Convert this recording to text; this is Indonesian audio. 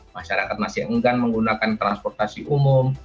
masyarakat masih enggan menggunakan transportasi umum